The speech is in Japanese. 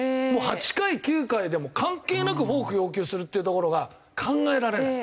８回９回でも関係なくフォーク要求するっていうところが考えられない。